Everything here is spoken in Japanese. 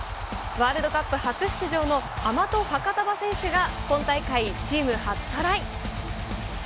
ワールドカップ初出場のアマト・ファカタヴァ選手が今大会チーム初トライ。